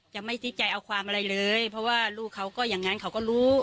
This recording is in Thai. จะไม่ติดใจเอาความอะไรเลยเพราะว่าลูกเขาก็อย่างนั้นเขาก็รู้